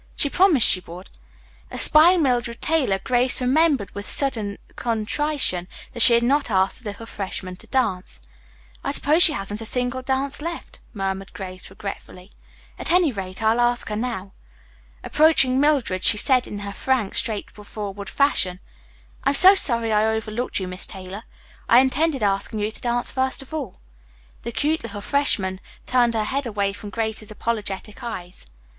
She promised she would." Espying Mildred Taylor, Grace remembered with sudden contrition that she had not asked the little freshman to dance. "I suppose she hasn't a single dance left," murmured Grace regretfully. "At any rate, I'll ask her now." Approaching Mildred she said in her frank, straightforward fashion, "I'm so sorry I overlooked you, Miss Taylor. I intended asking you to dance first of all." The "cute" little freshman turned her head away from Grace's apologetic gray eyes.